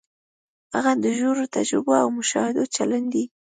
هغه د ژورو تجربو او مشاهدو چلن دی.